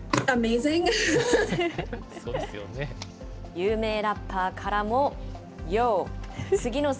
有名ラッパーからも、ヨー！